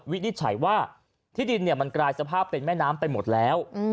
วินิจฉัยว่าที่ดินมันกลายสภาพเป็นแม่น้ำไปหมดแล้ว